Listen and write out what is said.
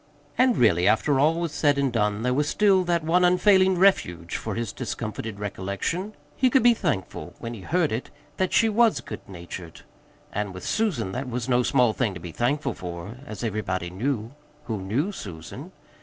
And, really, after all was said and done, there was still that one unfailing refuge for his discomforted recollection: he could be thankful, when he heard it, that she was good natured; and with Susan that was no small thing to be thankful for, as everybody knew who knew Susan.